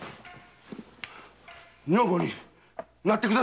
女房になってください！